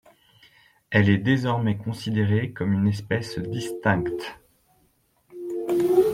Elle est désormais considérée comme une espèce distincte.